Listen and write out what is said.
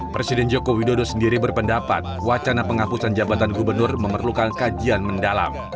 presiden joko widodo sendiri berpendapat wacana penghapusan jabatan gubernur memerlukan kajian mendalam